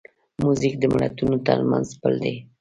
موزیک د ملتونو ترمنځ پل دی.